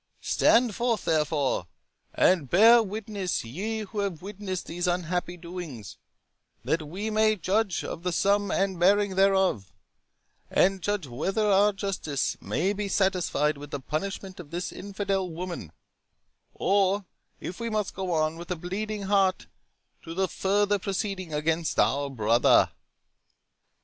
—Stand forth, therefore, and bear witness, ye who have witnessed these unhappy doings, that we may judge of the sum and bearing thereof; and judge whether our justice may be satisfied with the punishment of this infidel woman, or if we must go on, with a bleeding heart, to the further proceeding against our brother."